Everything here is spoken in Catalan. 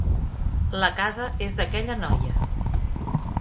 La casa és d'aquella noia.